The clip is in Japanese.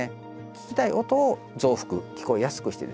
聞きたい音を増幅聞こえやすくしてですね